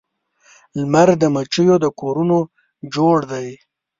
لمر د مچېو د کورونو جوړ دی